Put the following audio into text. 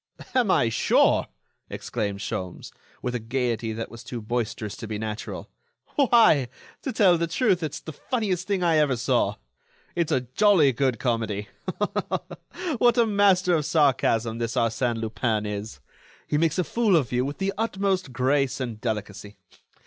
"Am I sure?" exclaimed Sholmes, with a gaiety that was too boisterous to be natural, "why, to tell the truth, it's the funniest thing I ever saw. It's a jolly good comedy! What a master of sarcasm this Arsène Lupin is! He makes a fool of you with the utmost grace and delicacy.